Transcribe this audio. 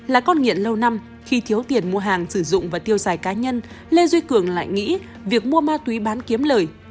là con nghiện lâu năm khi thiếu tiền mua hàng sử dụng và tiêu xài cá nhân lê duy cường lại nghĩ việc mua ma túy bán kiếm lời